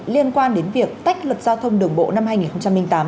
liên quan đến việc tách luật giao thông đường bộ năm hai nghìn tám